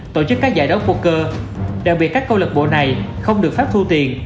tổ chức các giải đấu poker đặc biệt các câu lật bộ này không được phép thu tiền